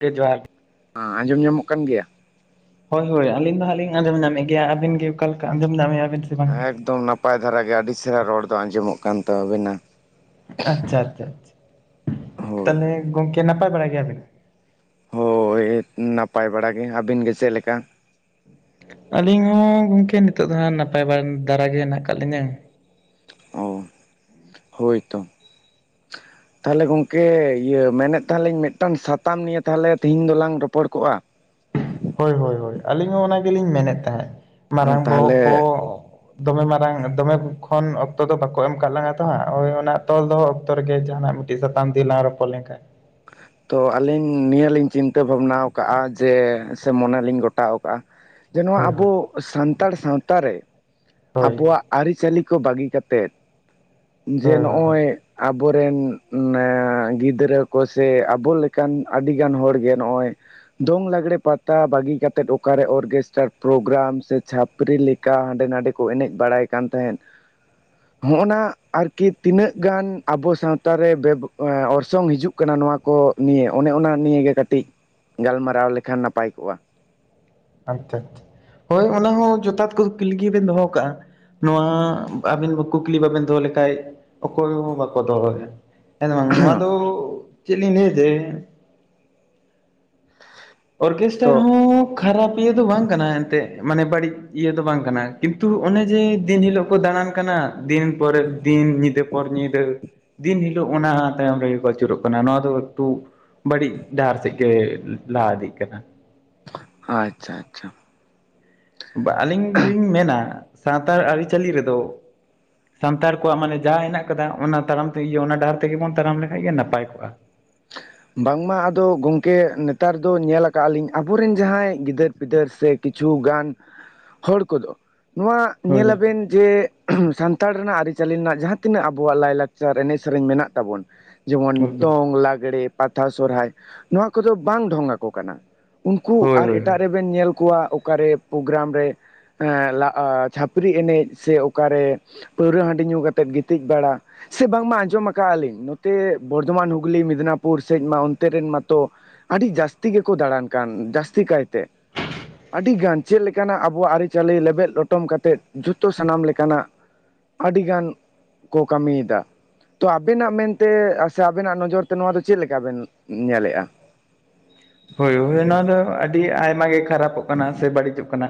ᱠᱮ ᱡᱚᱦᱟᱨ ᱜᱮ, ᱦᱟᱸ ᱟᱸᱡᱚᱢ ᱧᱟᱢᱚᱜ ᱠᱟᱱ ᱜᱮᱭᱟ? ᱦᱳᱭ ᱦᱳᱭ ᱟᱹᱞᱤᱧ ᱫᱚ ᱦᱟᱸᱜ ᱞᱤᱧ ᱟᱸᱡᱚᱢ ᱧᱟᱢᱮᱜ ᱜᱮᱭᱟ, ᱟᱹᱵᱮᱱ ᱜᱮ ᱚᱠᱟ ᱞᱮᱠᱟ ᱟᱸᱡᱚᱢ ᱧᱟᱢ ᱮᱫᱼᱟ ᱵᱤᱱ ᱥᱮ ᱵᱟᱝ? ᱮᱠᱫᱚᱢ ᱱᱟᱯᱟᱭ ᱫᱷᱟᱨᱟ ᱜᱮ ᱟᱹᱰᱤ ᱪᱷᱮᱨᱦᱟ ᱨᱚᱲ ᱫᱚ ᱟᱸᱡᱚᱢᱚᱜ ᱠᱟᱱ ᱛᱟᱹᱵᱤᱱᱟ᱾ ᱟᱪᱪᱷᱟ, ᱟᱪᱪᱷᱟ, ᱟᱪᱪᱷᱟ, ᱦᱳᱭ᱾ ᱛᱟᱞᱦᱮ ᱜᱚᱝᱠᱮ ᱱᱟᱯᱟᱭ ᱵᱟᱲᱟ ᱜᱮᱭᱟ ᱵᱮᱱ? ᱦᱳᱭ ᱱᱟᱯᱟᱭ ᱵᱟᱲᱟ ᱜᱮ, ᱟᱹᱵᱤᱱ ᱜᱮ ᱪᱮᱜ ᱞᱮᱠᱟ? ᱟᱹᱞᱤᱧ ᱦᱚᱸ ᱜᱚᱝᱠᱮ ᱱᱤᱛᱚᱜ ᱫᱚ ᱦᱟᱸᱜ ᱱᱟᱯᱟᱭ ᱵᱟ ᱫᱟᱨᱟ ᱜᱮ ᱦᱮᱱᱟᱜ ᱟᱠᱟᱜ ᱞᱤᱧᱟᱹ᱾ ᱚ ᱦᱳᱭ ᱛᱚ ᱾ ᱛᱟᱦᱚᱞᱮ ᱜᱚᱝᱠᱮ ᱤᱭᱟᱹ ᱢᱮᱱᱮᱫ ᱛᱟᱦᱮᱱ ᱞᱤᱧ ᱢᱤᱫᱴᱟᱝ ᱥᱟᱛᱟᱢ ᱱᱤᱭᱮ ᱛᱟᱦᱚᱞᱮ ᱛᱤᱦᱤᱧ ᱫᱚᱞᱟᱝ ᱨᱚᱯᱚᱲ ᱠᱚᱜᱼᱟ ᱾ ᱦᱳᱭ ᱦᱳᱭ ᱦᱳᱭ ᱟᱹᱞᱤᱧ ᱦᱚᱸ ᱚᱱᱟ ᱜᱤᱞᱤᱧ ᱢᱮᱱᱮᱜ ᱛᱟᱦᱮᱸᱜ ᱢᱟᱨᱟᱝ ᱵᱚᱦᱚᱜ ᱠᱚ ᱛᱟᱦᱚᱞᱮ ᱫᱚᱢᱮ ᱢᱟᱨᱟᱝ ᱫᱚᱢᱮ ᱠᱷᱚᱱ ᱚᱠᱛᱚ ᱫᱚ ᱵᱟᱠᱚ ᱮᱢ ᱠᱟᱜ ᱞᱟᱝᱟ ᱛᱚ ᱦᱟᱸᱜ ᱳᱭᱻ ᱚᱱᱟ ᱛᱚᱞ ᱫᱚᱦᱚ ᱚᱠᱛᱚ ᱨᱮᱜᱮ ᱡᱟᱦᱟᱸ ᱱᱟᱜ ᱢᱤᱫ ᱴᱤᱡ‌ ᱥᱟᱛᱟᱢ ᱛᱤᱞᱟᱝ ᱨᱚᱯᱚᱲ ᱞᱮᱝ ᱠᱷᱟᱡ [inaudible] ᱛᱚ ᱟᱞᱤᱧ ᱱᱤᱭᱟᱹ ᱞᱤᱧ ᱪᱤᱱᱛᱟᱹ ᱵᱷᱟᱵᱽᱱᱟᱣ ᱠᱟᱜᱼᱟ ᱟ ᱡᱮ ᱥᱮ ᱢᱚᱱᱮ ᱞᱤᱧ ᱜᱚᱴᱟᱣ ᱠᱟᱜᱼᱟ᱾ ᱡᱮ ᱱᱚᱣᱟ ᱦᱳᱭ ᱟᱵᱚ ᱦᱳᱭ ᱥᱟᱱᱛᱟᱲ ᱥᱟᱶᱛᱟ ᱨᱮ ᱦᱳᱭ ᱟᱵᱚᱣᱟᱜ ᱟᱨᱤᱼᱪᱟᱹᱞᱤ ᱠᱚ ᱵᱟᱜᱤ ᱠᱟᱛᱮᱫ ᱡᱮ ᱦᱳᱭ ᱦᱳᱭ ᱱᱚᱜᱼᱚᱭ ᱟᱵᱚ ᱨᱮᱱ ᱱᱮ ᱜᱤᱫᱽᱨᱟᱹ ᱠᱚ ᱥᱮ ᱟᱵᱚ ᱞᱮᱠᱟᱱ ᱟᱰᱤ ᱜᱟᱱ ᱦᱚᱲ ᱜᱮ ᱱᱚᱜᱼᱚᱭ ᱫᱚᱝ ᱞᱟᱜᱽᱲᱮ ᱯᱟᱛᱟ ᱵᱟᱜᱤ ᱠᱟᱛᱮᱫ ᱚᱠᱟ ᱨᱮ ᱚᱨᱜᱮᱥᱴᱟᱨ ᱯᱨᱳᱜᱽᱨᱟᱢ ᱥᱮ ᱪᱷᱟᱯᱨᱤ ᱞᱮᱠᱟ ᱦᱟᱸᱰᱮ ᱱᱟᱸᱰᱮ ᱠᱚ ᱮᱱᱮᱡ ᱵᱟᱲᱟᱭ ᱠᱟᱱ ᱛᱟᱦᱮᱸᱫ᱾ ᱦᱚᱸᱜᱼᱚᱱᱟ ᱟᱨᱠᱤ ᱛᱤᱱᱟᱹᱜ ᱜᱟᱱ ᱟᱵᱚ ᱥᱟᱶᱛᱟ ᱨᱮ ᱵᱮᱵᱽ ᱮᱸ ᱚᱨᱥᱚᱝ ᱦᱤᱡᱩᱜ ᱠᱟᱱᱟ ᱱᱚᱣᱟ ᱠᱚ ᱱᱤᱭᱟᱹ ᱚᱱᱮ ᱚᱱᱟ ᱱᱤᱭᱟᱹ ᱜᱮ ᱠᱟᱹᱴᱤᱡ ᱜᱟᱞᱢᱟᱨᱟᱣ ᱞᱮᱠᱷᱟᱱ ᱱᱟᱯᱟᱭ ᱠᱚᱜ-ᱟ᱾ ᱟᱪᱪᱷᱟ ᱟᱪᱪᱷᱟ ᱦᱳᱭ ᱚᱱᱟ ᱦᱚᱸ ᱡᱚᱛᱷᱟᱛ ᱠᱩᱠᱩᱞᱤ ᱜᱮ ᱵᱮᱱ ᱫᱚᱦᱚᱣ ᱠᱟᱜᱼᱟ᱾ ᱱᱚᱣᱟ ᱟᱵᱤᱱ ᱠᱩᱠᱞᱤ ᱵᱟᱵᱮᱱ ᱫᱚᱦᱚ ᱞᱮᱠᱷᱟᱡ ᱚᱠᱚᱭ ᱦᱚᱸ ᱵᱟᱠᱚ ᱫᱚᱦᱚᱭᱟ᱾ ᱦᱮᱸ ᱥᱮ ᱵᱟᱝ ᱱᱚᱣᱟ ᱫᱚ ᱪᱮᱜ ᱞᱤᱧ ᱞᱟᱭᱟᱹ ᱡᱮ [inaudible] ᱚᱨᱠᱮᱥᱴᱟᱨ ᱛᱚ ᱦᱚᱸ ᱠᱷᱟᱨᱟᱯ ᱤᱭᱟᱹ ᱫᱚ ᱵᱟᱝ ᱠᱟᱱᱟ ᱮᱱᱛᱮᱜ ᱢᱟᱱᱮ ᱵᱟᱹᱲᱤᱡ ᱤᱭᱟᱹ ᱫᱚ ᱵᱟᱝ ᱠᱟᱱᱟ ᱠᱤᱱᱛᱩ ᱚᱱᱮ ᱡᱮ ᱫᱤᱱ ᱦᱤᱞᱳᱜ ᱠᱚ ᱫᱟᱬᱟᱱ ᱠᱟᱱᱟ ᱫᱤᱱ ᱯᱚᱨᱮ ᱫᱤᱱ ᱧᱤᱫᱟᱹ ᱯᱚᱨ ᱧᱤᱫᱟᱹ᱾ ᱫᱤᱱ ᱦᱤᱞᱳᱜ ᱚᱱᱟ ᱛᱟᱭᱚᱢ ᱨᱮᱜᱮ ᱠᱚ ᱟᱪᱩᱨᱚᱜ ᱠᱟᱱᱟ ᱱᱚᱣᱟ ᱫᱚ ᱮᱠᱴᱩ ᱵᱟᱹᱲᱤᱡ ᱰᱟᱦᱟᱨ ᱥᱮᱜ ᱜᱮ ᱞᱟᱦᱟ ᱤᱫᱤᱜ ᱠᱟᱱᱟ᱾ ᱟᱪᱪᱷᱟ ᱟᱪᱷᱟ᱾ ᱵᱟ ᱟᱞᱤᱧ ᱫᱩᱞᱤᱧ ᱢᱮᱱᱟ ᱥᱟᱱᱛᱟᱲ ᱟᱨᱤᱼᱪᱟᱹᱞᱤ ᱨᱮᱫᱚ ᱥᱟᱱᱛᱟᱲ ᱠᱚᱣᱟᱜ ᱢᱟᱱᱮ ᱡᱟᱦᱟᱸ ᱦᱮᱱᱟᱜ ᱠᱟᱫᱟ ᱚᱱᱟ ᱛᱟᱲᱟᱢ ᱛᱮ ᱤᱭᱟᱹ ᱚᱱᱟ ᱰᱟᱦᱟᱨ ᱛᱮᱜᱮ ᱵᱚᱱ ᱛᱟᱲᱟᱢ ᱞᱮᱠᱷᱟᱡ ᱜᱮ ᱱᱟᱯᱟᱭ ᱠᱚᱜᱼᱟ᱾ [inaudible] ᱵᱟᱝ ᱢᱟ ᱟᱫᱚ ᱜᱚᱝᱠᱮ ᱱᱮᱛᱟᱨ ᱫᱚ ᱧᱮᱞ ᱟᱠᱟᱜᱼᱟ ᱞᱤᱧ ᱟᱵᱚ ᱨᱮᱱ ᱡᱟᱦᱟᱸᱭ ᱜᱤᱫᱟᱹᱨ ᱯᱤᱫᱟᱹᱨ ᱥᱮ ᱠᱤᱪᱷᱩ ᱜᱟᱱ ᱦᱚᱲ ᱠᱚᱫᱚ ᱱᱚᱣᱟ ᱦᱳᱭ ᱧᱮᱞᱟ ᱵᱮᱱ ᱡᱮ ᱥᱟᱱᱛᱟᱲ ᱨᱮᱱᱟᱜ ᱟᱨᱤᱼᱪᱟᱞᱤ ᱨᱮᱱᱟᱜ ᱡᱟᱦᱟᱸ ᱛᱤᱱᱟᱹᱜ ᱟᱵᱚᱣᱟᱜ ᱞᱟᱭᱼᱞᱟᱠᱪᱟᱨ ᱮᱱᱮᱡ ᱥᱮᱨᱮᱧ ᱢᱮᱱᱟᱜ ᱛᱟᱵᱚᱱ ᱡᱮᱢᱚᱱ ᱮᱠᱫᱚᱢ᱾ ᱫᱚᱝ, ᱞᱟᱜᱽᱲᱮ, ᱯᱟᱛᱟ, ᱥᱚᱨᱦᱟᱭ, ᱱᱚᱣᱟ ᱠᱚᱫᱚ ᱵᱟᱝ ᱰᱷᱚᱝᱟ ᱠᱚ ᱠᱟᱱᱟ᱾ ᱩᱱᱠᱩ ᱦᱳᱭ ᱟᱨ ᱦᱳᱭ ᱮᱴᱟᱜ ᱨᱮᱵᱮᱱ ᱧᱮᱞ ᱠᱚᱣᱟ ᱚᱠᱟ ᱨᱮ ᱯᱨᱳᱜᱽᱨᱟᱢ ᱨᱮ ᱮᱸ ᱞᱟ‌ᱜ-ᱟ ᱪᱷᱟᱯᱨᱤ ᱮᱱᱮᱡ ᱥᱮ ᱚᱠᱟ ᱨᱮ ᱯᱟᱹᱣᱨᱟᱹ ᱦᱟᱺᱰᱤ ᱧᱩ ᱠᱟᱛᱮᱫ ᱜᱤᱛᱤᱡ ᱵᱟᱲᱟ ᱥᱮ ᱵᱟᱝ ᱢᱟ ᱟᱸᱡᱚᱢ ᱟᱠᱟᱜ-ᱟ ᱞᱤᱧ ᱱᱚᱛᱮ ᱵᱚᱨᱫᱷᱚᱢᱟᱱ, ᱦᱩᱜᱽᱞᱤ, ᱢᱮᱫᱽᱱᱟ ᱯᱩᱨ ᱥᱮᱡ ᱢᱟ ᱚᱱᱛᱮ ᱨᱮᱱ ᱢᱟ ᱛᱚ ᱟᱰᱤ ᱡᱟᱥᱛᱤ ᱜᱮᱠᱚ ᱫᱟᱬᱟᱱ ᱠᱟᱱ ᱡᱟᱥᱛᱤ ᱠᱟᱭ ᱛᱮ᱾ ᱟᱰᱤ ᱜᱟᱱ ᱪᱮᱫ ᱞᱮᱠᱟ ᱱᱟᱜ ᱟᱵᱚᱣᱟᱜ ᱟᱨᱤᱼᱪᱟᱹᱞᱤ ᱞᱮᱵᱮᱫ ᱞᱚᱴᱚᱢ ᱠᱟᱛᱮᱫ ᱡᱷᱚᱛᱚ ᱥᱟᱱᱟᱢ ᱞᱮᱠᱟ ᱱᱟᱜ ᱟᱰᱤ ᱜᱟᱱ ᱠᱚ ᱠᱟᱢᱤᱭ ᱫᱟ, ᱛᱚ ᱟᱵᱮᱱᱟᱜ ᱢᱮᱱᱛᱮ ᱥᱮ ᱟᱵᱮᱱᱟᱜ ᱱᱚᱡᱚᱨ ᱛᱮ ᱱᱚᱣᱟ ᱫᱚ ᱪᱮᱜ ᱞᱮᱠᱟ ᱵᱮᱱ ᱧᱮᱞᱮᱜᱼᱟ? ᱦᱳᱭ ᱦᱳᱭ ᱱᱚᱣᱟ ᱫᱚ ᱟᱰᱤ ᱟᱭᱢᱟ ᱜᱮ ᱠᱷᱟᱨᱟᱯᱚᱜ ᱠᱟᱱᱟ ᱥᱮ ᱵᱟᱲᱤᱡᱚᱜ ᱠᱟᱱᱟ᱾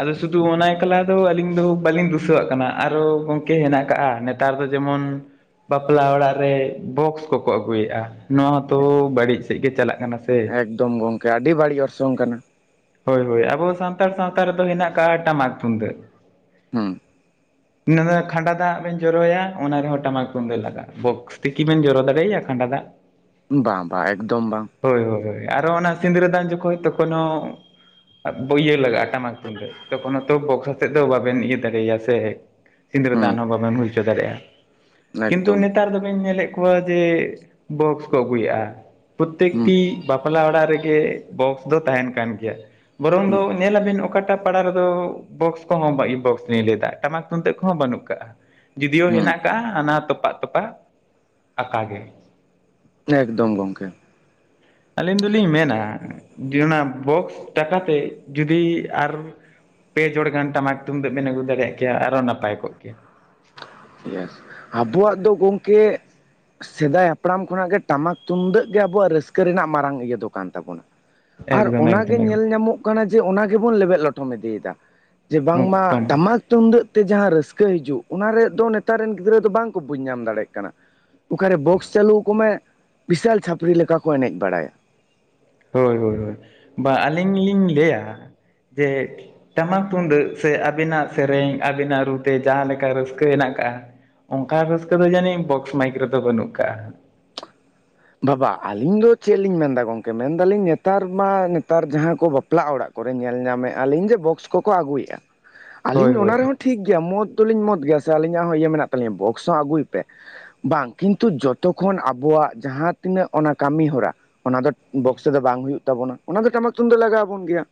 ᱟᱫᱚ ᱥᱩᱫᱩ ᱚᱱᱟ ᱮᱠᱞᱟ ᱫᱚ ᱟᱞᱤᱧ ᱫᱚ ᱵᱟᱞᱤᱧ ᱫᱩᱥᱩᱟᱹ ᱣᱟᱜ ᱠᱟᱱᱟ ᱟᱨᱚ ᱜᱚᱝᱠᱮ ᱦᱮᱱᱟᱜ ᱟᱠᱟᱜᱼᱟ᱾ ᱛᱟᱨ ᱫᱚ ᱡᱮᱢᱚᱱ ᱵᱟᱯᱞᱟ ᱚᱲᱟᱜ ᱨᱮ ᱵᱚᱠᱥ ᱠᱚᱠᱚ ᱟᱹᱜᱩᱭᱮᱜᱼᱟ, ᱱᱚᱣᱟ ᱦᱚᱸ ᱛᱚ ᱵᱟᱲᱤᱡ ᱥᱮᱜ ᱜᱮ ᱪᱟᱞᱟᱜ ᱠᱟᱱᱟ ᱥᱮ᱾ ᱮᱠᱫᱚᱢ ᱜᱚᱝᱠᱮ ᱟᱰᱤ ᱵᱟᱲᱤᱡ ᱚᱨᱥᱚᱝ ᱠᱟᱱᱟ᱾ ᱦᱳᱭ ᱦᱳᱭ ᱟᱵᱚ ᱥᱟᱱᱛᱟᱲ ᱥᱟᱶᱛᱟ ᱨᱮᱫᱚ ᱦᱮᱱᱟᱜ ᱠᱟᱜ-ᱟ ᱴᱟᱢᱟᱠ ᱛᱩᱢᱫᱟᱹᱜ᱾ ᱦᱩᱸ᱾ ᱤᱱᱟᱹ ᱱᱟᱜ ᱠᱷᱟᱸᱰᱟ ᱫᱟᱜ ᱵᱮᱱ ᱡᱚᱨᱚᱭᱟ ᱚᱱᱟ ᱨᱮᱦᱚᱸ ᱴᱟᱢᱟᱠ ᱛᱩᱢᱫᱟᱹᱜ ᱞᱟᱜᱟᱜ-ᱟ ᱵᱚᱠᱼᱼ ᱛᱤᱠᱤ ᱵᱮᱱ ᱡᱚᱨᱚ ᱫᱟᱲᱮᱭᱭᱟ ᱠᱷᱟᱱᱰᱟ ᱫᱟᱜ? ᱵᱟᱝ ᱵᱟᱝ ᱮᱠᱫᱚᱢ ᱵᱟᱝ᱾ ᱦᱳᱭ ᱦᱳᱭ ᱟᱨᱚ ᱚᱱᱟ ᱥᱤᱸᱫᱟᱹᱨᱟ ᱫᱟᱱ ᱡᱚᱠᱷᱚᱱ ᱛᱚᱠᱷᱚᱱᱚ᱾ [unintelligible] ᱞᱟᱜᱟᱜᱼᱟ ᱴᱟᱢᱟᱠ ᱛᱩᱢᱫᱟᱜ ᱛᱚᱠᱷᱚᱱᱳᱛᱚ ᱵᱚᱠᱥᱟ ᱥᱮᱫ ᱫᱚ ᱵᱟᱵᱮᱱ ᱤᱭᱟᱹ ᱫᱟᱲᱮᱭᱟᱜ-ᱟ ᱥᱮ᱾ ᱥᱤᱸᱫᱟᱹᱨᱟᱹ ᱦᱩᱸ ᱫᱟᱱ ᱦᱚᱸ ᱵᱟᱵᱮᱢ ᱦᱩᱭ ᱦᱚᱪᱚ ᱫᱟᱲᱮᱭᱟᱜᱼᱟ ᱠᱤᱱᱛᱩ ᱮᱠᱫᱚᱢ ᱱᱮᱛᱟᱨ ᱫᱚ ᱵᱤᱱ ᱧᱮᱞᱮᱫ᱾ ᱮ ᱡᱮ ᱵᱚᱠᱥ ᱠᱚ ᱟᱹᱜᱩᱭᱮᱫᱼᱟ ᱦᱩᱸ ᱯᱨᱚᱛᱮᱠᱴᱤ᱾ ᱵᱟᱯᱞᱟ ᱚᱲᱟᱜ ᱨᱮᱜᱮ ᱵᱚᱠᱥ ᱫᱚ ᱛᱟᱦᱮᱱ ᱠᱟᱱ ᱜᱮᱭᱟ ᱵᱚᱨᱚᱝ ᱫᱚ ᱦᱩᱸ ᱧᱮᱞᱟ ᱵᱤᱱ ᱚᱠᱟᱴᱟᱜ᱾ ᱯᱟᱲᱟ ᱨᱮᱫᱚ ᱵᱚᱠᱥ ᱠᱚᱦᱚᱸ ᱵᱟᱭ ᱵᱚᱠᱥ ᱞᱟᱹᱭ ᱮᱫᱟ ᱴᱟᱢᱟᱠ ᱛᱩᱢᱫᱟᱹᱜ ᱠᱚᱦᱚᱸ ᱵᱟᱹᱱᱩᱜ ᱠᱟᱜᱼᱟ᱾ ᱡᱩᱫᱤᱭᱳ ᱦᱩᱸ ᱦᱮᱱᱟᱜ ᱟᱠᱟᱜᱼᱟ ᱦᱟᱱᱟ ᱛᱚᱯᱟᱜ ᱛᱚᱯᱟᱜ ᱟᱠᱟ ᱜᱮ᱾ ᱮᱠᱫᱚᱢ ᱜᱚᱝᱠᱮ᱾ ᱟᱹᱞᱤᱧ ᱫᱚᱞᱤᱧ ᱢᱮᱱᱟ ᱚᱱᱟ ᱵᱚᱠᱥ ᱴᱟᱠᱟᱛᱮ ᱡᱩᱫᱤ ᱟᱨ᱾ ᱯᱮ ᱡᱚᱲ ᱜᱟᱱ ᱴᱟᱢᱟᱠ ᱛᱩᱢᱫᱟᱹᱜ ᱵᱮᱱ ᱟᱹᱜᱩ ᱫᱟᱲᱮᱭᱟᱜ ᱠᱮᱭᱟ ᱟᱨᱦᱚ ᱱᱟᱯᱟᱭ ᱠᱚᱜ ᱠᱮᱭᱟ᱾ [unintelligible] ᱟᱵᱚᱣᱟᱜ ᱫᱚ ᱜᱚᱝᱠᱮ᱾ ᱥᱮᱫᱟᱭ ᱦᱟᱯᱲᱟᱢ ᱠᱷᱚᱱᱟᱜ ᱜᱮ ᱴᱟᱢᱟᱠ ᱛᱩᱢᱫᱟᱹᱜ ᱜᱮ ᱟᱵᱩᱣᱟᱜ ᱨᱟᱹᱥᱠᱟᱹ ᱨᱮᱱᱟᱜ ᱢᱟᱨᱟᱝ ᱤᱭᱟᱹ ᱫᱚ ᱠᱟᱱ ᱛᱟᱵᱚᱱᱟ᱾ ᱟᱨ ᱮᱠᱫᱚᱢ ᱚᱱᱟᱜ ᱜᱮ ᱮᱠᱫᱚᱢ ᱮᱠᱫᱚᱢ ᱧᱮᱞ ᱧᱟᱢᱚᱜ᱾ ᱡᱮ ᱚᱱᱟ ᱜᱮᱵᱚᱱ ᱞᱮᱵᱮᱫ ᱞᱚᱴᱚᱢ ᱤᱫᱤᱭᱮ ᱫᱟ ᱡᱮ ᱵᱟᱝ ᱢᱟ ᱮᱠᱫᱚᱢ ᱴᱟᱢᱟᱠ᱾ ᱛᱩᱢᱫᱟᱹᱜ ᱛᱮ ᱡᱟᱦᱟᱸ ᱨᱟᱹᱥᱠᱟᱹ ᱦᱤᱡᱩᱜ ᱚᱱᱟ ᱨᱮᱫᱚ ᱱᱮᱛᱟᱨ ᱨᱮᱱ ᱜᱤᱫᱽᱨᱟᱹ ᱫᱚ ᱵᱟᱝ ᱠᱚ ᱵᱩᱡᱽ ᱧᱟᱢ ᱫᱟᱲᱮᱭᱟᱜ ᱠᱟᱱᱟ᱾ ᱚᱠᱟᱨᱮ ᱵᱚᱠᱥ ᱪᱟᱹᱞᱩ ᱟᱠᱚ ᱢᱮ ᱵᱤᱥᱟᱞ ᱪᱷᱟᱯᱨᱤ ᱞᱮᱠᱟ ᱠᱚ ᱮᱱᱮᱡ ᱵᱟᱲᱟᱭᱟ᱾ ᱦᱳᱭ ᱦᱳᱭ ᱦᱳᱭ ᱵᱟ ᱟᱹᱞᱤᱧ ᱞᱤᱧ ᱞᱟᱹᱭᱟ ᱡᱮ᱾ ᱴᱟᱢᱟᱠ ᱛᱩᱢᱫᱟᱹᱜ ᱥᱮ ᱟᱵᱤᱱᱟᱜ ᱥᱮᱨᱮᱧ ᱟᱵᱤᱱᱟᱜ ᱨᱩᱛᱮ ᱡᱟᱦᱟᱸ ᱞᱮᱠᱟ ᱨᱟᱹᱥᱠᱟᱹ ᱦᱮᱱᱟᱜ ᱟᱠᱟᱫᱼᱟ᱾ ᱚᱱᱠᱟ ᱨᱟᱹᱥᱠᱟᱹ ᱫᱚ ᱡᱟᱹᱱᱤᱡ ᱵᱚᱠᱥ ᱢᱟᱭᱤᱠ ᱨᱮᱫᱚ ᱵᱟᱹᱱᱩᱜ ᱟᱠᱟᱜᱼᱟ᱾ ᱵᱟᱵᱟ ᱟᱹᱞᱤᱧ ᱫᱚ ᱪᱮᱫ ᱞᱤᱧ ᱢᱮᱱ ᱫᱟ ᱜᱚᱝᱠᱮ ᱢᱮᱱ ᱫᱟᱞᱤᱧ ᱱᱮᱛᱟᱨ ᱢᱟ ᱱᱮᱛᱟᱨ ᱡᱟᱦᱟᱸ ᱠᱚ ᱵᱟᱯᱞᱟ ᱚᱲᱟᱜ ᱾ ᱠᱚᱨᱮ ᱧᱮᱞ ᱧᱟᱢᱮᱫᱼᱟ ᱟᱞᱤᱧ ᱡᱮ ᱵᱚᱠᱥ ᱠᱚᱠᱚ ᱟᱹᱜᱩᱭᱮᱫᱼᱟ ᱦᱳᱭ ᱟᱹᱞᱤᱧ ᱦᱳᱭ ᱚᱱᱟ ᱨᱮᱦᱚᱸ ᱴᱷᱤ ᱴᱷᱤᱠ ᱜᱮᱭᱟ ᱢᱚᱛ ᱫᱚᱞᱤᱧ ᱢᱚᱛ ᱜᱮᱭᱟ ᱥᱮ ᱟᱹᱞᱤᱧᱟᱜ ᱦᱚᱸ ᱤᱭᱟᱹ ᱢᱮᱱᱟᱜ ᱛᱟᱹᱞᱤᱧᱟ ᱵᱚᱠᱥ ᱦᱚ ᱟᱹᱜᱩᱭ ᱯᱮ᱾ ᱵᱟᱝ ᱠᱤᱱᱛᱩ ᱡᱚᱛᱚ ᱠᱷᱚᱱ ᱟᱵᱚᱣᱟᱜ᱾ ᱡᱟᱦᱟᱸ ᱛᱤᱱᱟᱹᱜ ᱚᱱᱟ ᱠᱟᱹᱢᱤ ᱦᱚᱨᱟ ᱚᱱᱟ ᱫᱚ ᱵᱚᱠᱥᱚ ᱫᱚ ᱵᱟᱝ ᱦᱩᱭᱩᱜ᱾ ᱛᱟᱵᱚᱱᱟ ᱚᱱᱟ ᱫᱚ ᱴᱟᱢᱟᱠ ᱛᱩᱢᱫᱟᱜ ᱞᱟᱜᱟᱣ ᱟᱵᱚᱱ ᱜᱮᱭᱟ᱾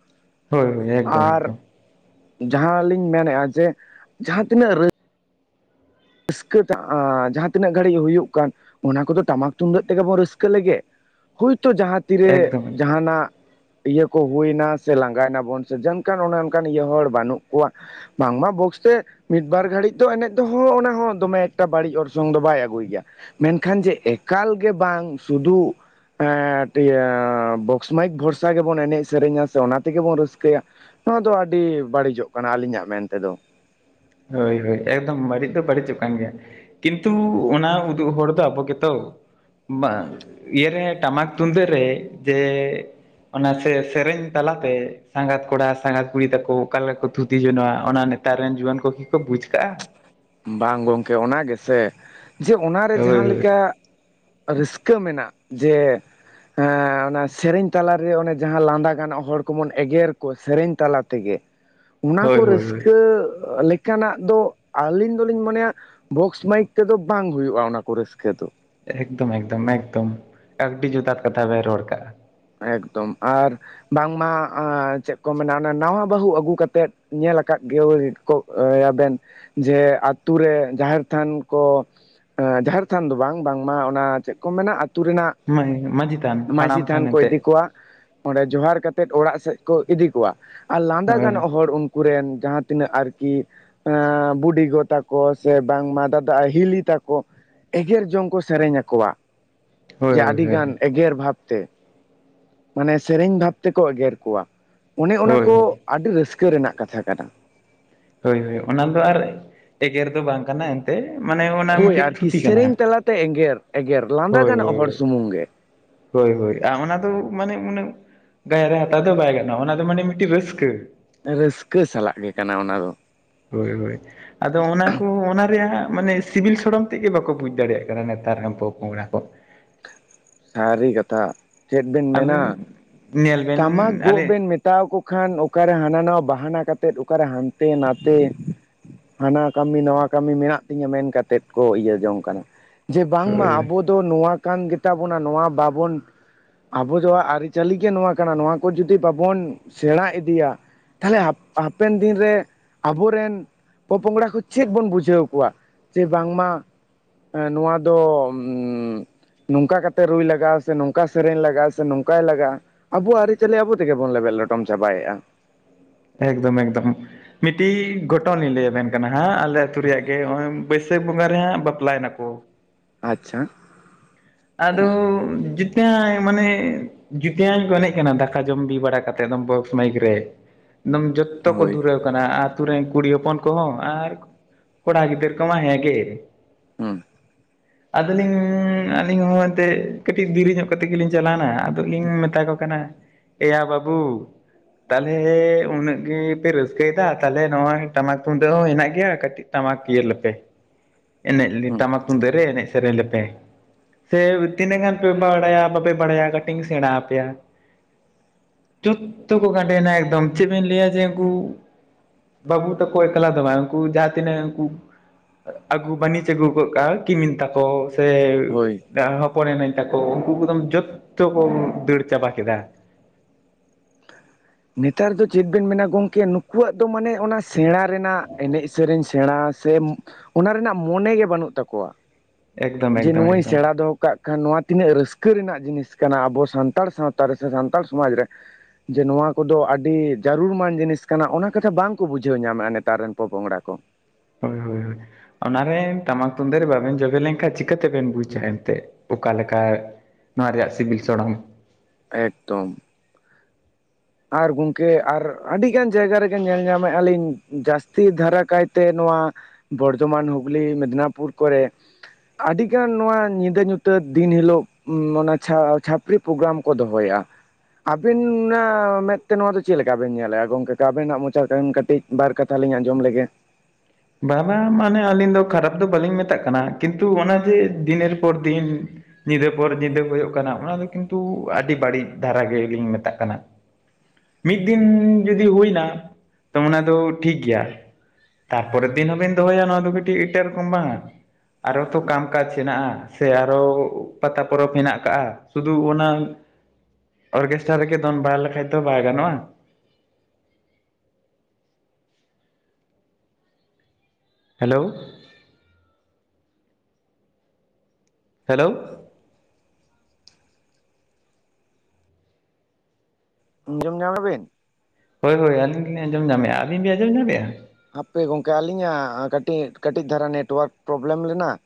ᱦᱳᱭ ᱦᱳᱭ ᱮᱠᱫᱚᱢ ᱮᱠᱫᱚᱢ᱾ ᱡᱟᱦᱟᱸ ᱞᱤᱧ ᱢᱮᱱᱮᱫᱼᱟ ᱡᱮ ᱡᱟᱦᱟᱸ ᱛᱤᱱᱟᱹᱜ ᱨᱟᱹ ᱨᱟᱹᱥᱠᱟᱹ ᱴᱟᱜ ᱟᱸ ᱡᱟᱦᱟᱸ ᱛᱤᱱᱟᱹᱜ ᱜᱷᱟᱹᱲᱤᱡ ᱦᱩᱭᱩᱜ ᱠᱟᱱ ᱚᱱᱟ ᱠᱚᱫᱚ ᱴᱟᱢᱟᱠ ᱛᱩᱢᱫᱟᱹᱜ ᱛᱮᱜᱮ ᱵᱚᱱ ᱨᱟᱹᱥᱠᱟᱹ ᱞᱮᱜᱮ᱾ ᱦᱳᱭ ᱛᱚ ᱡᱟᱦᱟᱸ ᱛᱤᱨᱮ ᱮᱠᱫᱚᱢ ᱡᱟᱦᱟᱱᱟᱜ᱾ ᱤᱭᱟᱹ ᱠᱚ ᱦᱩᱭ ᱱᱟ ᱥᱮ ᱞᱟᱸᱜᱟᱭ ᱱᱟᱵᱚᱱ ᱥᱮ ᱡᱟᱱ ᱠᱷᱟᱱ ᱚᱱᱮ ᱚᱱᱠᱟᱱ ᱤᱭᱟᱹ ᱦᱚᱲ ᱵᱟᱹᱱᱩᱜ ᱠᱚᱣᱟ᱾ ᱵᱟᱝ ᱢᱟ ᱵᱚᱠᱥ ᱛᱮ ᱢᱤᱫ ᱵᱟᱨ ᱜᱷᱟᱹᱲᱤᱡ ᱫᱚ ᱮᱱᱮᱡ ᱫᱚᱦᱚ ᱚᱱᱟ᱾ ᱫᱚᱢᱮ ᱮᱠᱴᱟ ᱵᱟᱹᱲᱤᱡ ᱚᱨᱥᱚᱝ ᱫᱚ ᱵᱟᱭ ᱟᱹᱜᱩᱭ ᱜᱮᱭᱟ ᱢᱮᱱᱠᱷᱟᱱ ᱡᱮ ᱮᱠᱟᱞ ᱜᱮ ᱵᱟᱝ ᱥᱩᱫᱩ᱾ ᱮ ᱴᱷᱤᱠ ᱜᱮᱭᱟ ᱵᱚᱠ ᱢᱟᱭᱤᱠ ᱵᱷᱚᱨᱥᱟ ᱜᱮᱵᱚᱱ ᱮᱱᱮᱡ ᱥᱮᱨᱮᱧᱟ ᱥᱮ ᱚᱱᱟ ᱛᱮᱜᱮ ᱵᱚᱱ ᱨᱟᱹᱥᱠᱟᱹᱭᱟ᱾ ᱱᱚᱣᱟ ᱫᱚ ᱟᱹᱰᱤ ᱵᱟᱹᱲᱤᱡᱚᱜ ᱠᱟᱱᱟ ᱟᱹᱞᱤᱧᱟᱜ ᱢᱮᱱ ᱛᱮᱫᱚ᱾ ᱦᱳᱭ ᱦᱳᱭ ᱮᱠᱫᱚᱢ ᱵᱟᱹᱲᱤᱡ ᱫᱚ ᱵᱟᱹᱲᱤᱡᱚᱜ ᱠᱟᱱ ᱜᱮᱭᱟ᱾ ᱠᱤᱱᱛᱩ ᱚᱱᱟ ᱩᱫᱩᱜ ᱦᱚᱲ ᱫᱚ ᱟᱵᱚ ᱜᱮᱛᱚ᱾ ᱵᱟᱝ ᱤᱭᱟᱹ ᱨᱮ ᱴᱟᱢᱟᱠ ᱛᱩᱢᱫᱟᱹᱜ ᱨᱮ ᱡᱮ᱾ ᱚᱱᱟ ᱥᱮ ᱥᱮᱨᱮᱧ ᱛᱟᱞᱟ ᱛᱮ᱾ ᱥᱟᱸᱜᱟᱛ ᱠᱚᱲᱟ ᱥᱟᱸᱜᱟᱛ ᱠᱩᱲᱤ ᱛᱟᱠᱚ ᱚᱠᱟ ᱞᱮᱠᱟ ᱠᱚ ᱛᱷᱩᱛᱤ ᱡᱚᱝᱼᱟ ᱚᱱᱟ ᱱᱮᱛᱟᱨ ᱨᱮᱱ ᱡᱩᱣᱟᱹᱱ ᱠᱚᱠᱤ ᱠᱚ ᱵᱩᱡ ᱠᱟᱜᱼᱟ᱾ ᱵᱟᱝ ᱜᱚᱢᱠᱮ ᱚᱱᱟ ᱜᱮᱥᱮ ᱡᱮ ᱚᱱᱟᱨᱮ ᱦᱳᱭ ᱡᱟᱦᱟᱸ ᱦᱳᱭ ᱞᱮᱠᱟ ᱨᱟᱹᱥᱠᱟᱹ ᱢᱮᱱᱟᱜ ᱡᱮ ᱚᱱᱟ ᱥᱮᱨᱮᱧ ᱛᱟᱞᱟᱨᱮ ᱚᱱᱮ ᱡᱟᱦᱟᱸ ᱞᱟᱸᱫᱟ ᱜᱟᱱᱚᱜ ᱦᱚᱲ ᱠᱚᱵᱚᱱ ᱮᱜᱮᱨ ᱠᱚᱣᱟ ᱥᱮᱨᱮᱧ ᱛᱟᱞᱟ ᱛᱮᱜᱮ᱾ ᱚᱱᱟ ᱦᱳᱭ ᱠᱚ ᱦᱳᱭ ᱦᱳᱭ ᱨᱟᱹᱥᱠᱟᱹ ᱞᱮᱠᱟᱱᱟᱜ ᱫᱚ ᱟᱹᱞᱤᱧ ᱫᱚᱞᱤᱧ ᱢᱚᱱᱮᱭᱟ ᱵᱚᱠᱥ ᱢᱟᱭᱤᱠ ᱛᱮᱫᱚ ᱵᱟᱝ ᱦᱩᱭᱩᱜᱼᱟ ᱚᱱᱟ ᱠᱚ ᱨᱟᱹᱥᱠᱟᱹ ᱫᱚ᱾ ᱮᱠᱫᱚᱢ ᱮᱠᱫᱚᱢ ᱮᱠᱫᱚᱢ ᱠᱟᱹᱠᱰᱤ ᱡᱩᱛᱷᱟᱛ ᱠᱟᱛᱷᱟ ᱵᱮ ᱨᱚᱲ ᱠᱟᱜᱼᱟ ᱾ ᱮᱠᱫᱚᱢ ᱟᱨ ᱵᱟᱝᱢᱟ ᱪᱮᱫ ᱠᱚ ᱢᱮᱱᱟ ᱚᱱᱟ ᱱᱟᱣᱟ ᱵᱟᱹᱦᱩ ᱟᱹᱜᱩ ᱠᱟᱛᱮᱫ ᱧᱮᱞ ᱟᱠᱟᱫ ᱜᱮ ᱠᱚ ᱭᱟᱵᱮᱱ ᱡᱮ ᱟᱛᱳ ᱨᱮ ᱡᱟᱦᱮᱨ ᱛᱷᱟᱱ ᱠᱚ ᱡᱟᱦᱮᱨ ᱛᱷᱟᱱ ᱫᱚ ᱵᱟᱝ ᱵᱟᱝᱢᱟ ᱚᱱᱟ ᱪᱮᱫ ᱠᱚ ᱢᱮᱱᱟ ᱟᱹᱛᱩ ᱨᱮᱱᱟᱜ ᱢᱟᱹᱭ ᱢᱟᱺᱡᱷᱤ ᱛᱷᱟᱱ, ᱢᱟᱺᱡᱷᱤ ᱦᱟᱲᱟᱢ ᱛᱷᱟᱱ ᱠᱚ ᱮᱱᱛᱮ᱾ ᱤᱫᱤ ᱚᱸᱰᱮ ᱡᱚᱦᱟᱨ ᱠᱟᱛᱮᱫ ᱚᱲᱟᱜ ᱥᱮᱫ ᱠᱚ ᱤᱫᱤ ᱠᱚᱣᱟ, ᱟᱨ ᱞᱟᱸᱫᱟ ᱦᱳᱭ ᱜᱟᱱᱚᱜ ᱦᱚᱲ ᱩᱱᱠᱩ ᱠᱚᱨᱮᱱ ᱡᱟᱦᱟᱸ ᱛᱤᱱᱟᱹᱜ ᱟᱨᱠᱤ ᱵᱩᱰᱤᱜᱚ ᱛᱟᱠᱚ, ᱥᱮ ᱵᱟᱝᱢᱟ ᱫᱟᱫᱟ ᱦᱤᱞᱤ ᱛᱟᱠᱚ᱾ ᱮᱜᱮᱨ ᱡᱚᱝ ᱠᱚ ᱥᱮᱨᱮᱧ ᱟᱠᱚᱣᱟ ᱦᱳᱭ ᱡᱮ ᱦᱳᱭ ᱟᱹᱰᱤᱜᱟᱱ ᱮᱜᱮᱨ ᱵᱷᱟᱵ ᱛᱮ᱾ ᱢᱟᱱᱮ ᱥᱮᱨᱮᱧ ᱵᱷᱟᱵᱽ ᱛᱮᱠᱚ ᱮᱜᱮᱨ ᱠᱚᱣᱟ, ᱚᱱᱮ ᱚᱱᱟ ᱦᱳᱭ ᱠᱚ ᱦᱳᱭ ᱟᱹᱰᱤ ᱨᱟᱹᱥᱠᱟᱹ ᱨᱮᱱᱟᱜ ᱠᱟᱛᱷᱟ ᱠᱟᱱᱟ᱾ ᱦᱳᱭ ᱦᱳ ᱚᱱᱟ ᱫᱚ ᱟᱨ ᱮᱜᱮᱨ ᱫᱚ ᱵᱟᱝ ᱠᱟᱱᱟ᱾ ᱢᱟᱱᱮ ᱚᱱᱟ ᱦᱳᱭ ᱢᱤᱫᱴᱮᱱ ᱟᱨᱠᱤ ᱛᱷᱩᱛᱤ ᱠᱟᱱᱟ᱾ ᱥᱮᱨᱮᱧ ᱛᱟᱞᱟᱛᱮ ᱮᱜᱮᱨ ᱮᱜᱮᱨ ᱞᱟᱸᱫᱟ ᱦᱳᱭ ᱜᱟᱱᱚᱜ ᱦᱚᱲ ᱦᱳᱭ᱾ ᱥᱩᱢᱩᱝ ᱜᱮ ᱦᱳᱭ ᱦᱳᱭ ᱚᱱᱟ ᱫᱚ ᱢᱟᱱᱮ ᱩᱱᱟᱹᱜ ᱜᱟᱭ ᱨᱮ ᱦᱟᱛᱟᱣ ᱫᱚ ᱵᱟᱭ ᱜᱟᱱᱚᱜᱼᱟ᱾ ᱚᱱᱟ ᱫᱚ ᱢᱟᱱᱮ ᱢᱤᱫᱴᱤᱡ ᱨᱟᱹᱥᱠᱟᱹ᱾ ᱨᱟᱹᱥᱠᱟᱹ ᱥᱟᱞᱟᱜ ᱜᱮ ᱠᱟᱱᱟ ᱚᱱᱟ ᱫᱚ᱾ ᱦᱳᱭ ᱦᱳᱭ, ᱟᱫᱚ ᱚᱱᱟ ᱠᱚ ᱚᱱᱟ ᱨᱮᱭᱟᱜ ᱢᱟᱱᱮ ᱥᱤᱵᱤᱞ ᱥᱚᱲᱚᱢ ᱛᱮᱜᱼᱮ ᱵᱟᱠᱚ ᱵᱩᱡᱽ ᱫᱟᱲᱮᱭᱟᱜ ᱠᱟᱱᱟ ᱱᱮᱛᱟᱨ ᱨᱮᱱ ᱯᱚᱼ ᱯᱚᱝᱲᱟ ᱠᱚ᱾ ᱥᱟᱹᱨᱤ ᱠᱟᱛᱷᱟ, ᱪᱮᱫ ᱵᱮᱱ ᱢᱮᱱᱟ ᱟᱹᱵᱤᱱ ᱧᱮᱞ ᱵᱮᱱ ᱴᱟᱢᱟᱠ ᱜᱚᱜ ᱟᱞᱮ ᱵᱮᱱ ᱢᱮᱛ ᱦᱟᱛᱟᱣᱠᱚ ᱠᱷᱟᱱ ᱚᱠᱟᱨᱮ ᱦᱟᱱᱟ ᱱᱟᱭᱟ ᱵᱟᱦᱟᱱᱟ ᱠᱟᱛᱮᱫ ᱚᱠᱟᱨᱮ ᱦᱟᱱᱛᱮ ᱱᱟᱛᱮ ᱦᱟᱱᱟ ᱠᱟᱹᱢᱤ ᱱᱳᱭᱟ ᱠᱟᱹᱢᱤ ᱢᱮᱱᱟᱜ ᱛᱤᱧᱟᱹ ᱢᱮᱱᱠᱟᱛᱮᱫ ᱠᱚ ᱤᱭᱟᱹ ᱡᱚᱝ ᱠᱟᱱᱟ᱾ ᱡᱮ ᱵᱟᱝᱢᱟ ᱦᱳᱭ ᱦᱳᱭ ᱟᱵᱚ ᱫᱚ ᱱᱚᱣᱟ ᱠᱟᱱ ᱜᱮᱛᱟ ᱵᱚᱱᱟ ᱱᱚᱣᱟ ᱵᱟᱵᱚᱱ ᱟᱵᱚ ᱡ ᱟᱹᱨᱤᱪᱟᱹᱞᱤ ᱜᱮ ᱱᱚᱣᱟ ᱠᱟᱱᱟ ᱱᱚᱣᱟ ᱠᱚ ᱡᱩᱫᱤ ᱵᱟᱵᱚᱱ ᱥᱮᱬᱟ ᱤᱫᱤᱭᱟ᱾ ᱛᱟᱦᱚᱞᱮ ᱦᱟᱯᱮᱱ ᱫᱤᱱᱨᱮ ᱟᱵᱚᱨᱮᱱ ᱯᱚᱼᱯᱚᱝᱲᱟ ᱠᱚ ᱪᱮᱫ ᱵᱚᱱ ᱵᱩᱡᱷᱟᱹᱣ ᱠᱚᱣᱟ, ᱡᱮ ᱵᱟᱝᱢᱟ ᱱᱚᱣᱟ ᱫᱚ ᱱᱚᱝᱠᱟ ᱠᱟᱛᱮ ᱨᱩᱭ ᱞᱟᱜᱟᱜᱼᱟ ᱥᱮ, ᱱᱚᱝᱠᱟ ᱥᱮᱨᱮᱧ ᱞᱟᱜᱟᱜᱼᱟ, ᱥᱮ ᱱᱚᱝᱠᱟᱭ ᱞᱟᱜᱟᱜᱼᱟ᱾ ᱟᱵᱚᱣᱟᱜ ᱟᱹᱨᱤᱪᱟᱹᱞᱤ ᱟᱵᱚ ᱛᱮᱜᱮ ᱵᱚᱱ ᱞᱮᱵᱮᱫ ᱞᱚᱴᱚᱢ ᱪᱟᱵᱟᱭᱮᱫᱼᱟ᱾ ᱮᱠᱫᱚᱢ ᱮᱠᱫᱚᱢ, ᱢᱤᱫᱴᱤᱡ ᱜᱷᱚᱴᱚᱱ ᱞᱤᱧ ᱞᱟᱹᱭ ᱟᱵᱮᱱ ᱠᱟᱱᱟ ᱦᱟᱸᱜ ᱟᱞᱮ ᱟᱹᱛᱩ ᱨᱮᱭᱟᱜ ᱜᱮ, ᱱᱚᱜᱚᱭ ᱵᱟᱹᱭ ᱵᱟᱹᱭᱥᱟᱹᱠᱷ ᱵᱚᱸᱜᱟ ᱨᱮ ᱦᱟᱸᱜ ᱵᱟᱯᱞᱟᱭ ᱱᱟ ᱠᱚ᱾ ᱟᱪᱪᱷᱟ᱾ ᱟᱫᱚ ᱡᱤᱛᱱᱟ ᱢᱟᱱᱮ ᱡᱩᱛᱭᱧ ᱠᱚ ᱮᱱᱮᱡ ᱠᱟᱱᱟ ᱫᱟᱠᱟ ᱡᱚᱢ ᱵᱤ ᱵᱟᱲᱟ ᱠᱟᱛᱮᱫ ᱵᱚᱠᱥ ᱢᱟᱭᱤᱠ ᱨᱮ ᱮᱠᱫᱚᱢ ᱡᱚᱛᱚ ᱛᱚᱠᱚ ᱦᱳᱭ ᱫᱷᱩᱨᱟ᱾ ᱟᱛᱩ ᱨᱮᱱ ᱠᱩᱲᱤ ᱦᱚᱯᱚᱱ ᱠᱚᱦᱚᱸ ᱟᱨ ᱠᱚᱲᱟ ᱜᱤᱫᱟᱹᱨ ᱠᱚᱢᱟ ᱦᱮᱸᱜᱮ ᱾ ᱦᱩᱸ ᱟᱫᱚᱞᱤᱧ ᱟᱹᱞᱤᱧ ᱦᱚᱸ ᱮᱱᱛᱮᱫ ᱠᱟᱹᱴᱤᱡ ᱫᱮᱨᱤ ᱧᱚᱜ ᱠᱟᱛᱮᱫ ᱜᱮᱞᱤᱧ ᱪᱟᱞᱟᱣᱱᱟ᱾ ᱟᱫᱚ ᱞᱤᱧ ᱢᱮᱛᱟ ᱠᱚ ᱠᱟᱱᱟ, ᱮᱭᱟ ᱵᱟᱹᱵᱩ ᱛᱟᱞᱦᱮ ᱩᱱᱟᱹᱜ ᱜᱮᱯᱮ ᱨᱟᱹᱥᱠᱟᱹᱭᱮ ᱫᱟ ᱛᱟᱞᱦᱮ ᱱᱚᱣᱟ ᱴᱟᱢᱟᱠ ᱛᱩᱢᱫᱟᱹᱜ ᱦᱚᱸ ᱦᱮᱱᱟᱜ ᱜᱮᱭᱟ᱾ᱠᱟᱹᱴᱤᱡ ᱴᱟᱢᱟᱠ ᱤᱭᱟ‌ ᱞᱮᱯᱮ᱾ [unintelligible] ᱮᱱᱮᱡ ᱦᱩᱸ ᱴᱟᱢᱟᱠ ᱛᱩᱢᱫᱟᱹᱜ ᱨᱮ ᱮᱱᱮᱡ ᱥᱮᱨᱮᱧ ᱞᱮᱯᱮ᱾ ᱥᱮ ᱛᱤᱱᱟᱹᱜ ᱜᱟᱱ ᱯᱮ ᱵᱟᱲᱟᱭᱟ, ᱵᱟᱯᱮ ᱵᱟᱲᱟᱭᱟ ᱠᱟᱹᱴᱤᱡ ᱤᱧ ᱥᱮᱬᱟ ᱟᱯᱮᱭᱟ᱾ ᱴᱷᱤᱠ ᱛᱮᱠᱚ ᱜᱟᱹᱰᱮᱭᱱᱟ ᱮᱠᱫᱚᱢ ᱪᱮᱫ ᱵᱤᱱ ᱞᱟᱹᱭᱟ ᱡᱮ ᱩᱱᱠᱩ ᱵᱟᱵᱩ ᱛᱟᱠᱚ ᱮᱠᱞᱟ ᱫᱚ ᱵᱟᱝ ᱩᱱᱠᱩ ᱡᱟᱦᱟ ᱛᱤᱱᱟᱹᱜ ᱩᱱᱠᱩ ᱟᱹᱜᱩ ᱵᱟᱹᱱᱤᱡᱽ ᱟᱹᱜᱩ ᱜᱚᱜᱠᱟᱜ-ᱟ ᱠᱤᱢᱤᱞ ᱛᱟᱠᱚ ᱥᱮ ᱦᱳᱭ ᱦᱚᱯᱚᱱ ᱮᱢᱮᱧ ᱛᱟᱠᱚ ᱩᱱᱠᱩ ᱠᱚ ᱮᱠᱫᱚᱢ ᱡᱚᱛᱚ ᱠᱚ ᱫᱟᱹᱲ ᱪᱟᱵᱟ ᱠᱮᱫᱟ᱾ ᱱᱮᱛᱟᱨ ᱫᱚ ᱪᱮᱫ ᱵᱮᱱ ᱢᱮᱱᱟ ᱜᱚᱝᱠᱮ, ᱱᱩᱠᱩᱣᱟᱜ ᱫᱚ ᱢᱟᱱᱮ ᱚᱱᱟ ᱥᱮᱬᱟ ᱨᱮᱱᱟᱜ, ᱮᱱᱮᱡ ᱥᱮᱨᱮᱧ ᱥᱮ ᱥᱮᱬᱟ ᱥᱮ ᱚᱱᱟ ᱨᱮᱱᱟᱜ ᱢᱚᱱᱮ ᱜᱮ ᱵᱟᱹᱱᱩᱜ ᱛᱟᱠᱚᱣᱟ᱾ ᱮᱠᱫᱚᱢ ᱡᱮ ᱮᱠᱫᱚᱢ ᱱᱚᱣᱟᱧ ᱮᱠᱫᱚᱢ ᱥᱮᱬᱟ ᱫᱚᱦᱚ ᱠᱟᱜ ᱠᱷᱟᱱ ᱱᱚᱣᱟ ᱛᱤᱱᱟᱹᱜ ᱨᱟᱹᱥᱠᱟᱹ ᱨᱮᱱᱟᱜ ᱡᱤᱱᱤᱥ ᱠᱟᱱᱟ ᱟᱵᱚ ᱥᱟᱱᱛᱟᱲ ᱥᱟᱶᱛᱟ ᱨᱮ ᱥᱮ ᱥᱟᱱᱛᱟᱲ ᱥᱚᱢᱟᱡᱽ ᱨᱮ ᱡᱮ ᱱᱚᱣᱟ ᱠᱚᱫᱚ ᱟᱹᱰᱤ ᱡᱟᱹᱨᱩᱲᱢᱟᱱ ᱡᱤᱱᱤᱥ ᱠᱟᱱᱟ᱾ᱚᱱᱟ ᱠᱟᱛᱷᱟ ᱵᱟᱝᱠᱚ ᱵᱩᱡᱷᱟᱹᱣ ᱧᱟᱢᱮᱫᱼᱟ ᱱᱮᱛᱟᱨ ᱨᱮᱱ ᱯᱚᱯᱚᱝᱲᱟ ᱠᱚ᱾ ᱦᱳᱭ ᱦᱳᱭ ᱦᱳᱭ᱾ ᱚᱱᱟᱨᱮ ᱴᱟᱢᱟᱠ ᱛᱩᱢᱫᱟᱹ ᱨᱮ ᱵᱟᱵᱮᱱ ᱡᱚᱵᱮ ᱞᱮᱱᱠᱷᱟᱱ ᱪᱤᱠᱟᱹᱛᱮ ᱵᱮᱱ ᱵᱩᱡᱟ ᱮᱱᱛᱮᱫ ᱚᱠᱟ ᱞᱮᱠᱟ ᱱᱚᱣᱟ ᱨᱮᱭᱟᱜ ᱥᱤᱵᱤᱞ ᱥᱚᱲᱚᱢ᱾ ᱮᱠᱫᱚᱢ ᱾ ᱟᱨ ᱜᱚᱢᱠᱮ ᱟᱨ ᱟᱹᱰᱤᱜᱟᱱ ᱡᱟᱭᱜᱟ ᱨᱮᱜᱮ ᱧᱮᱞ ᱧᱟᱢᱮᱫᱼᱟ ᱞᱤᱧ, ᱡᱟᱹᱥᱛᱤ ᱫᱷᱟᱨᱟ ᱠᱟᱭᱛᱮ ᱱᱚᱣᱟ ᱵᱚᱨᱫᱷᱚᱢᱟᱱ ᱦᱩᱜᱽᱞᱤ, ᱢᱮᱫᱽᱱᱟᱯᱩᱨ ᱠᱚᱨᱮ ᱟᱹᱰᱤᱜᱟᱱ ᱱᱚᱣᱟ ᱧᱤᱫᱟᱹ ᱧᱩᱛᱟᱹᱛ ᱫᱤᱱ ᱦᱤᱞᱳᱜ ᱚᱱᱟ ᱪᱷᱟ-ᱪᱷᱟᱯᱨᱤ ᱯᱨᱳᱜᱨᱟᱢ ᱠᱚ ᱫᱚᱦᱚᱭᱟ ᱟᱹᱵᱤᱱ ᱚᱱᱟ ᱢᱮᱫᱛᱮ ᱱᱚᱣᱟ ᱫᱚ ᱪᱮᱫ ᱞᱮᱠᱟ ᱵᱮᱱ ᱧᱮᱞᱮᱜᱼᱟ ᱜᱚᱢᱠᱮ ᱛᱚ ᱟᱵᱮᱱᱟᱜ ᱢᱚᱪᱟ ᱠᱷᱚᱱ ᱠᱟᱹᱴᱤᱡ ᱵᱟᱨ ᱠᱟᱛᱷᱟ ᱞᱤᱧ ᱟᱸᱡᱚᱢ ᱞᱮᱜᱮ᱾ ᱵᱟ-ᱵᱟ ᱢᱟᱱᱮ ᱟᱹᱞᱤᱧ ᱫᱚ ᱠᱷᱟᱨᱟᱯ ᱫᱚ ᱵᱟᱹᱞᱤᱧ ᱢᱮᱛᱟᱜ ᱠᱟᱱᱟ ᱠᱤᱱᱛᱩ ᱚᱱᱟ ᱡᱮ ᱫᱤᱱᱮᱨ ᱯᱚᱨ ᱫᱤᱱ ᱧᱤᱫᱟᱹ ᱯᱚᱨ ᱧᱤᱫᱟᱹ ᱦᱩᱭᱩᱜ ᱠᱟᱱᱟ ᱚᱱᱟ ᱫᱚ ᱠᱤᱱᱛᱩ ᱟᱹᱰᱤ ᱵᱟᱹᱲᱤᱡ ᱫᱷᱟᱨᱟ ᱜᱮᱞᱤᱧ ᱢᱮᱛᱟᱜ ᱠᱟᱱᱟ ᱾ ᱢᱤᱫ ᱫᱤᱱ ᱡᱩᱫᱤ ᱦᱩᱭᱱᱟ ᱛᱚ ᱚᱱᱟ ᱫᱚ ᱴᱷᱤᱠ ᱜᱮᱭᱟ ᱾ ᱛᱟᱨᱯᱚᱨ ᱫᱤᱱ ᱦᱚᱸᱵᱤᱱ ᱫᱚᱦᱚᱭᱟ ᱱᱚᱶᱟ ᱫᱚ ᱢᱤᱫᱴᱤᱡ ᱮᱴᱟᱜ ᱨᱚᱠᱚᱢ ᱵᱟᱝᱟ? ᱟᱨᱚ ᱛᱚ ᱠᱟᱢ ᱠᱟᱡ ᱦᱮᱱᱟᱜᱼᱟ ᱥᱮ ᱟᱨᱚ ᱯᱟᱛᱟ ᱯᱚᱨᱚᱵᱽ ᱦᱮᱱᱟᱜ ᱠᱟᱜᱼᱟ ᱥᱩᱫᱷᱩ ᱚᱱᱟ ᱦ [inaudible] ᱚᱨᱠᱮᱥᱴᱨᱟ ᱨᱮᱜᱮ ᱫᱚᱱ ᱵᱟᱲᱟ ᱞᱮᱠᱷᱟᱡ ᱫᱚ ᱵᱟᱭ ᱜᱟᱱᱚᱜᱼᱟ᱾ ᱦᱮᱞᱳ᱾ ᱦᱮᱞᱳ ᱾ ᱟᱸᱡᱚᱢ ᱧᱟᱢ ᱫᱟᱵᱤᱱ? ᱦᱳᱭ ᱦᱳᱭ ᱟᱹᱞᱤᱧ ᱫᱚᱞᱤᱧ ᱟᱸᱡᱚᱢ ᱧᱟᱢᱮᱜᱼᱟ, ᱟᱹᱵᱤᱱ ᱵᱤᱱ ᱟᱸᱡᱚᱢ ᱧᱟᱢᱮᱜᱼᱟ? ᱦᱟᱯᱮ ᱜᱚᱢᱠᱮ ᱟᱹᱞᱤᱧᱟᱜ, ᱠᱟᱹᱴᱤᱡ ᱠᱟᱹᱴᱤᱡ ᱫᱷᱟᱨᱟ ᱱᱮᱴᱣᱟᱨᱠ ᱯᱨᱚᱵᱞᱮᱢ ᱞᱮᱱᱟ ᱾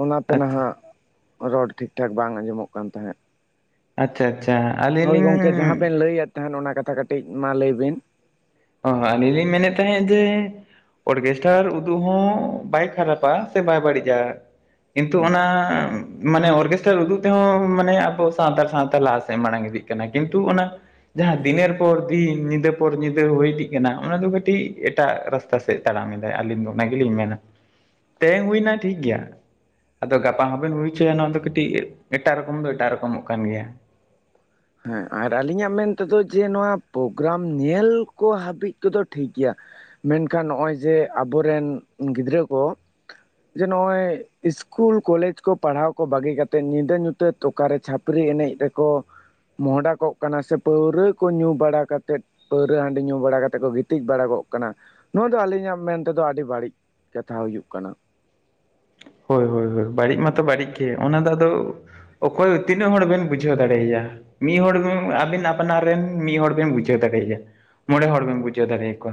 ᱚᱱᱟᱛᱮ ᱟᱪᱪᱷᱟ ᱱᱟᱦᱟᱸᱜ ᱨᱚᱲ ᱴᱷᱤᱠ ᱴᱷᱟᱠ ᱵᱟᱝ ᱟᱸᱡᱚᱢᱚᱜ ᱠᱟᱱ ᱛᱟᱦᱮᱸᱫ ᱾ ᱟᱪᱪᱷᱟ ᱟᱪᱪᱷᱟ ᱾ ᱦᱳᱭ ᱜᱚᱝᱠᱮ ᱡᱟᱦᱟᱸ ᱵᱮᱱ ᱞᱟᱹᱭᱮᱫ ᱛᱟᱦᱮᱱ ᱚᱱᱟ ᱠᱟᱛᱷᱟ ᱠᱟᱹᱴᱤᱡ ᱢᱟ ᱞᱟᱹᱭ ᱵᱤᱱ ᱾ ᱦᱚᱸ ᱦᱚᱸ ᱟᱹᱞᱤᱧ ᱞᱤᱧ ᱢᱮᱱᱮᱫ ᱛᱟᱦᱮᱸᱫ ᱡᱮ ᱚᱨᱜᱮᱥᱴᱟᱨ ᱩᱫᱩᱜ ᱦᱚᱸ ᱵᱟᱭ ᱠᱷᱟᱨᱟᱯᱟ ᱥᱮ ᱵᱟᱭ ᱵᱟᱹᱲᱤᱡᱼᱟ᱾ ᱠᱤᱱᱛᱩ ᱚᱱᱟ ᱢᱟᱱᱮ ᱚᱨᱠᱮᱥᱴᱟᱨ ᱩᱫᱩᱜ ᱛᱮᱦᱚᱸ ᱢᱟᱱᱮ ᱟᱵᱚ ᱥᱟᱶᱛᱟᱲ ᱥᱟᱶᱛᱟ ᱞᱟᱦᱟ ᱥᱮᱫ ᱢᱟᱲᱟᱝ ᱤᱫᱤ ᱠᱟᱱᱟ ᱠᱤᱱᱛᱩ ᱚᱱᱟ ᱡᱟᱦᱟᱸ ᱫᱤᱱᱮᱨ ᱯᱚᱨ ᱫᱤᱱ ᱧᱤᱫᱟᱹ ᱯᱚᱨ ᱧᱤᱫᱟᱹ ᱦᱩᱭ ᱤᱫᱤᱜ ᱠᱟᱱᱟ ᱚᱱᱟ ᱫᱚ ᱠᱟᱹᱴᱤᱡ ᱮᱴᱟᱜ ᱨᱟᱥᱛᱟ ᱥᱮᱫ ᱛᱟᱲᱟᱢᱮᱫᱟᱭ ᱟᱹᱞᱤᱧ ᱫᱚ ᱚᱱᱟ ᱜᱮᱞᱤᱧ ᱢᱮᱱᱟ᱾ ᱛᱮᱦᱮᱧ ᱦᱩᱭᱱᱟ ᱴᱷᱤᱠ ᱜᱮᱭᱟ᱾ ᱟᱫᱚ ᱜᱟᱯᱟ ᱦᱚᱸᱵᱮᱱ ᱦᱩᱭ ᱦᱚᱪᱚᱭᱟ ᱱᱚᱣᱟ ᱫᱚ ᱠᱟᱹᱴᱤᱡ ᱮᱴᱟᱜ ᱨᱚᱠᱚᱢ ᱫᱚ ᱮᱴᱟᱜ ᱨᱚᱠᱚᱢᱚᱜ ᱠᱟᱱ ᱜᱮᱭᱟ᱾ ᱦᱮᱸ ᱟᱨ ᱟᱹᱞᱤᱧᱟᱜ ᱢᱮᱱ ᱛᱮᱫᱚ ᱡᱮ ᱱᱚᱣᱟ ᱯᱨᱳᱜᱨᱟᱢ ᱧᱮᱞ ᱠᱚ ᱦᱟᱹᱵᱤᱡ ᱛᱮ ᱫᱚ ᱴᱷᱤᱠ ᱜᱮᱭᱟ᱾ ᱢᱮᱱᱠᱷᱟᱱ ᱱᱚᱜᱚᱭ ᱡᱮ ᱟᱵᱚᱨᱮᱱ ᱜᱤᱫᱽᱨᱟᱹ ᱠᱚ ᱡᱮ ᱱᱚᱜᱼᱚᱭ ᱮᱥᱠᱩᱞ ᱠᱚᱞᱮᱡᱽ ᱠᱚ ᱯᱟᱲᱦᱟᱣ ᱠᱚ ᱵᱟᱹᱜᱤ ᱠᱟᱛᱮᱫ ᱧᱤᱫᱟᱹ ᱧᱩᱛᱟᱹᱛ ᱚᱠᱟᱨᱮ ᱪᱷᱟᱹᱯᱨᱤ ᱮᱱᱮᱡ ᱨᱮᱠᱚ ᱢᱚᱦᱚᱰᱟᱠᱚᱜ ᱠᱟᱱᱟ ᱥᱮ ᱯᱟᱹᱣᱨᱟᱹ ᱠᱚ ᱧᱩ ᱵᱟᱲᱟ ᱠᱟᱛᱮᱫ ᱯᱟᱹᱣᱨᱟᱹ, ᱦᱟᱺᱰᱤ ᱧᱩ ᱵᱟᱲᱟ ᱠᱟᱛᱮᱫ ᱠᱚ ᱜᱤᱛᱤᱡ ᱵᱟᱲᱟ ᱠᱚᱜ ᱠᱟᱱᱟ, ᱱᱚᱣᱟ ᱫᱚ ᱟᱹᱞᱤᱧᱟᱜ ᱢᱮᱱ ᱛᱮᱫᱚ ᱟᱹᱰᱤ ᱵᱟᱹᱲᱤᱡ ᱠᱟᱛᱷᱟ ᱦᱩᱭᱩᱜ ᱠᱟᱱᱟ᱾ ᱦᱳᱭ -ᱦᱳᱭ ᱦᱳᱭ, ᱵᱟᱹᱲᱤᱡ ᱢᱟᱛᱚ ᱵᱟᱹᱲᱤᱡ ᱜᱮ, ᱚᱱᱟ ᱫᱚ ᱟᱫᱚ ᱚᱠᱚᱭ, ᱛᱤᱱᱟᱹᱜ ᱦᱚᱲ ᱵᱮᱱ ᱵᱩᱡᱷᱟᱹᱣ ᱫᱟᱲᱮᱭᱟᱭᱟ? ᱢᱤᱫ ᱦᱚᱲ ᱵᱤᱸ, ᱟᱹᱵᱤᱱ ᱟᱯᱱᱟᱨ ᱨᱮᱱ, ᱢᱤᱫ ᱦᱚᱲ ᱵᱮᱱ ᱵᱩᱡᱷᱟᱹᱣ ᱫᱟᱲᱮᱭᱟ᱾ ᱢᱚᱬᱮ ᱦᱚᱲ ᱵᱮᱱ ᱵᱩᱡᱷᱟᱹᱣ ᱫᱟᱲᱮ ᱟᱠᱚᱣᱟ᱾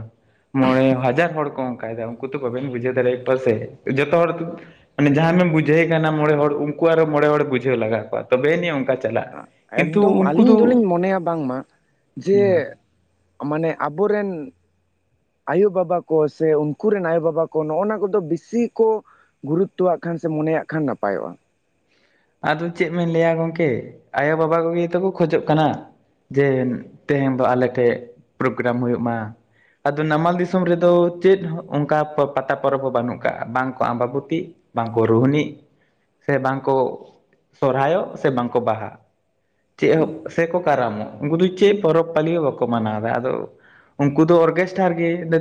ᱢᱚᱬᱮ ᱦᱟᱡᱟᱨ ᱦᱚᱲ ᱠᱚ ᱚᱱᱠᱟᱭ ᱫᱟ ᱩᱱᱠᱩ ᱛᱚ ᱵᱟᱵᱮᱱ ᱵᱩᱡᱟᱹᱣ ᱫᱟᱲᱮᱭᱟᱠᱚᱣᱟ ᱥᱮ, ᱡᱚᱛᱚ ᱦᱚᱲ ᱛ ᱢᱟᱱᱮ ᱡᱟᱦᱟᱸᱢᱮᱢ ᱵᱩᱡᱷᱟᱹᱣᱼᱮ ᱠᱟᱱᱟ ᱢᱚᱬᱮ ᱦᱚᱲ, ᱩᱱᱠᱩ ᱟᱨᱚ ᱢᱚᱬᱮ ᱦᱚᱲ ᱵᱩᱡᱷᱟᱹᱣ ᱞᱟᱜᱟᱣ ᱠᱚᱣᱟ, ᱛᱚᱵᱮ ᱱᱤᱭᱟᱹ ᱚᱱᱠᱟ ᱪᱟᱞᱟᱜᱼᱟ ᱮᱸ, ᱠᱤᱱᱛᱩ ᱮᱠᱫᱚᱢ ᱩᱱᱠᱩ ᱟᱹᱞᱤᱧ ᱫᱚ ᱫᱚᱞᱤᱧ ᱢᱚᱱᱮᱭᱟ ᱵᱟᱝᱢᱟ, ᱡᱮ ᱢᱟᱱᱮ ᱟᱵᱚᱨᱮᱱ ᱟᱭᱳᱼᱵᱟᱵᱟ ᱠᱚ ᱥᱮ ᱩᱱᱠᱩ ᱨᱮᱱ ᱟᱭᱳᱼᱵᱟᱵᱟ ᱠᱚ ᱱᱚᱜᱼᱚᱱᱟ ᱠᱚᱫᱚ ᱵᱮᱥᱤ ᱠᱚ ᱜᱩᱨᱩᱛᱛᱚᱣᱟᱜ ᱠᱷᱟᱱ ᱥᱮ ᱢᱚᱱᱮᱭᱟᱜ ᱠᱷᱟᱱ ᱱᱟᱯᱟᱭᱚᱜᱼᱟ᱾ ᱟᱫᱚ ᱪᱮᱫ ᱢᱮᱱ ᱞᱟᱹᱭ ᱞᱟᱹᱭᱟ ᱜᱚᱢᱠᱮ, ᱟᱭᱳᱼᱵᱟᱵᱟ ᱠᱚᱜᱮ ᱛᱚᱠᱚ ᱠᱷᱚᱡᱚᱜ ᱠᱟᱱᱟ᱾ ᱡᱮ, ᱛᱮᱦᱮᱧ ᱫᱚ ᱟᱞᱮ ᱴᱷᱮᱱ, ᱯᱨᱳᱜᱨᱟᱢ ᱦᱩᱭᱩᱜ- ᱢᱟ᱾ ᱟᱫᱚ ᱱᱟᱢᱟᱞ ᱫᱤᱥᱚᱢ ᱨᱮᱫᱚ, ᱪᱮᱫ ᱦᱚᱸ ᱚᱱᱠᱟ ᱯᱟᱛᱟ ᱯᱚᱨᱚᱵ ᱦᱚᱸ ᱵᱟᱹᱱᱩᱜ ᱠᱟᱜᱼᱟ, ᱵᱟᱝ ᱠᱚᱜ ᱟᱸᱵᱟᱵᱚᱛᱤᱜᱼᱼ ᱵᱟᱝᱠᱚ ᱨᱳᱦᱽᱱᱤᱜ, ᱥᱮ ᱵᱟᱝᱠᱚ, ᱥᱚᱨᱦᱟᱨᱭᱚᱜ, ᱥᱮ ᱵᱟᱝᱠᱚ ᱵᱟᱦᱟᱜ᱾ ᱪᱮᱜ ᱦᱚᱸ, ᱥᱮᱠᱚ ᱠᱟᱨᱟᱢᱚᱜ, ᱩᱱᱫᱩ ᱪᱮᱫ ᱯᱚᱨᱚᱵᱼᱯᱟᱹᱞᱤ ᱦᱚᱸ ᱵᱟᱠᱚ ᱢᱟᱱᱟᱣᱫᱟ, ᱟᱫᱚ ᱩᱱᱠᱩ ᱫᱚ ᱚᱨᱜᱮᱥᱴᱟᱨ ᱜᱮ, ᱫᱟᱹᱼᱼ